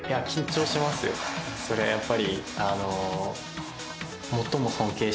そりゃやっぱり。